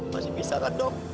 masih bisa kan dok